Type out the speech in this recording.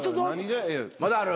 まだある？